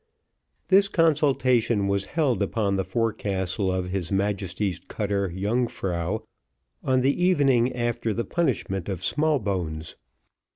This consultation was held upon the forecastle of his Majesty's cutter Yungfrau, on the evening after the punishment of Smallbones.